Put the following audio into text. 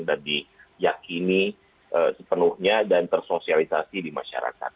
dan diyakini sepenuhnya dan tersosialisasi di masyarakat